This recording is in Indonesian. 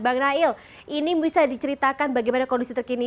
bang nail ini bisa diceritakan bagaimana kondisi terkini